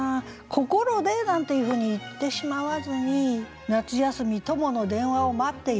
「心で」なんていうふうに言ってしまわずに「夏休み友の電話を待っている『誕生日でしょ？